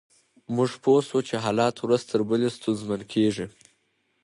موږ پوه شوو چې حالات ورځ تر بلې ستونزمن کیږي